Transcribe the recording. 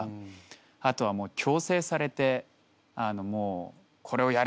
あとはもう強制されてもう「これをやれ！」